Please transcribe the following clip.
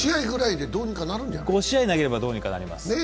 ５試合投げればどうにかなります。